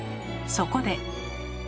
そこで。